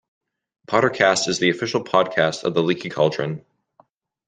"PotterCast" is the official podcast of The Leaky Cauldron.